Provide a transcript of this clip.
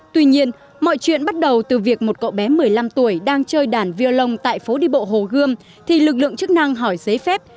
tuy nhiên mọi chuyện bắt đầu từ việc một cậu bé một mươi năm tuổi đang chơi đàn violon tại phố đi bộ hồ gươm thì lực lượng chức năng hỏi giấy phép